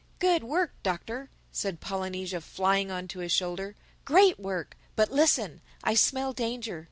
"Good work, Doctor!" said Polynesia, flying on to his shoulder—"Great work!—But listen: I smell danger.